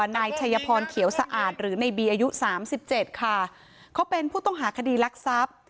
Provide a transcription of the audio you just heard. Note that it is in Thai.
นายชัยพรเขียวสะอาดหรือในบีอายุสามสิบเจ็ดค่ะเขาเป็นผู้ต้องหาคดีรักทรัพย์